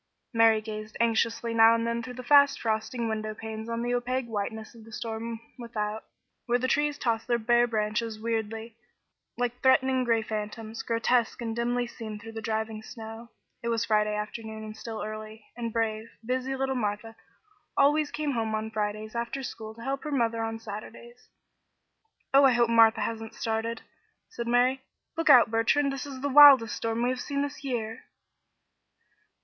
Mary gazed anxiously now and then through the fast frosting window panes on the opaque whiteness of the storm without, where the trees tossed their bare branches weirdly, like threatening gray phantoms, grotesque and dimly seen through the driving snow. It was Friday afternoon and still early, and brave, busy little Martha always came home on Fridays after school to help her mother on Saturdays. "Oh, I hope Martha hasn't started," said Mary. "Look out, Bertrand. This is the wildest storm we have had this year."